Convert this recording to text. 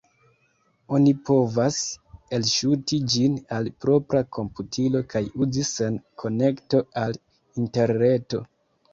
Oni povas elŝuti ĝin al propra komputilo kaj uzi sen konekto al Interreto.